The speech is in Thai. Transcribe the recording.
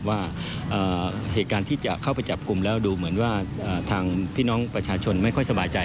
ว่าเหตุการณ์ที่จะเข้าไปจับกลุ่มแล้วดูเหมือนว่าทางพี่น้องประชาชนไม่ค่อยสบายใจ